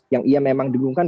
yang ia memang digungkan